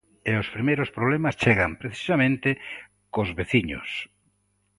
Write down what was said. E os primeiros problemas chegan, precisamente, cos veciños...